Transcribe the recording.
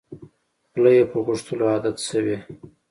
خوله یې په غوښتلو عادت شوې.